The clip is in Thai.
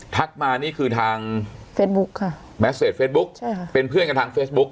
มานี่คือทางเฟซบุ๊คค่ะแมสเฟสเฟซบุ๊คใช่ค่ะเป็นเพื่อนกันทางเฟซบุ๊ก